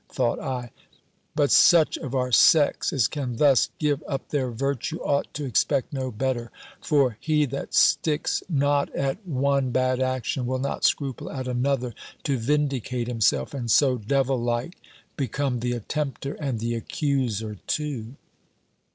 thought I "But such of our sex as can thus give up their virtue, ought to expect no better: for he that sticks not at one bad action, will not scruple at another to vindicate himself: and so, devil like, become the attempter and the accuser too!"